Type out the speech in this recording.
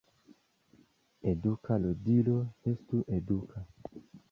Eduka ludilo estu eduka.